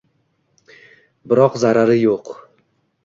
biroq zarari yo‘q.